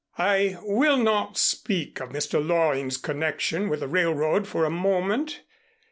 I will not speak of Mr. Loring's connection with the railroad for a moment.